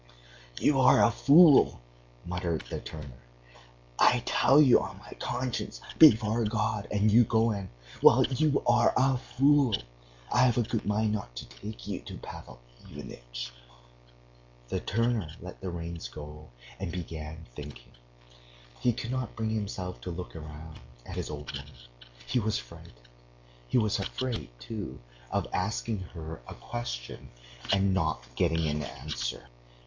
"You are a fool!" muttered the turner.... "I tell you on my conscience, before God,... and you go and... Well, you are a fool! I have a good mind not to take you to Pavel Ivanitch!" The turner let the reins go and began thinking. He could not bring himself to look round at his old woman: he was frightened. He was afraid, too, of asking her a question and not getting an answer.